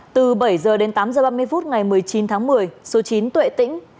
từ bảy h đến tám h ba mươi phút ngày một mươi chín tháng một mươi số chín tuệ tĩnh